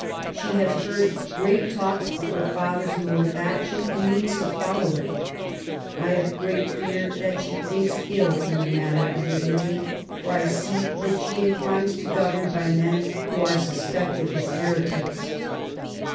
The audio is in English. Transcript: She has heard great talk of her father's mode of action, and means to follow it. I have great fear that she thinks ill in the matter of religion, for I see that she inclines to govern by men who are suspected as heretics."